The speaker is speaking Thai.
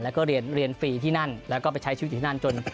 แล้วก็เรียนฟรีที่นั่นแล้วก็ไปใช้ชีวิตที่นั่น